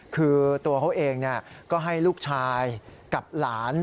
คือตัวเขาเองก็ให้ลูกชายกับหลาน